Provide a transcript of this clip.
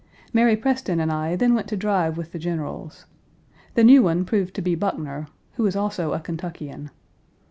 Mary Preston and I then went to drive with the generals. The new one proved to be Bruckner,1 who is also a Kentuckian.